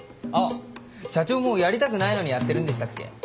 あっ社長もやりたくないのにやってるんでしたっけ？